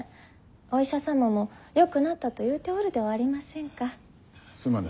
お医者様も「よくなった」と言うておるではありませんか。